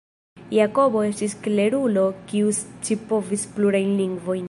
Jakobo estis klerulo kiu scipovis plurajn lingvojn.